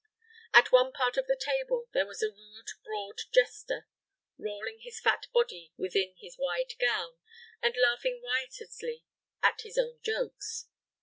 At one part of the table there was the rude broad jester, rolling his fat body within his wide gown, and laughing riotously at his own jokes.